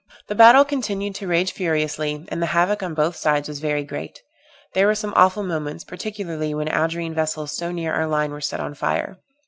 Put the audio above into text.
The battle continued to rage furiously, and the havoc on both sides was very great. There were some awful moments, particularly when Algerine vessels so near our line were set on fire.